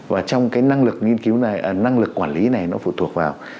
và trong cái năng lực nghiên cứu này năng lực quản lý này nó phụ thuộc vào